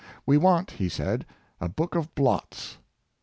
" We want," he said, " a book of blots.